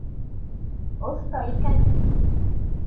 Оҫта икәнһең.